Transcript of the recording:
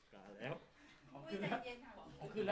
ใครล้ำชอบ